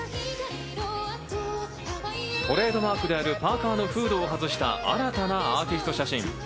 トレードマークであるパーカーのフードを外した、新たなアーティスト写真。